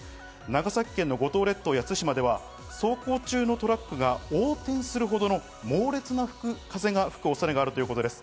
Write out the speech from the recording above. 長崎県の五島列島や対馬では走行中のトラックが横転するほどの猛烈な風が吹く恐れがあるということです。